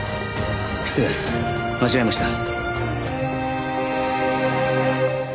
失礼間違えました。